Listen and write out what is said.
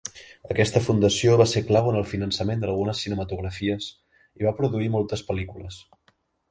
Aquesta fundació va ser clau en el finançament d'algunes cinematografies i va produir moltes pel·lícules.